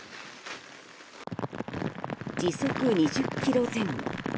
時速２０キロ前後。